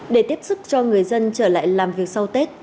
để tiếp sức cho người dân trở lại làm việc sau tết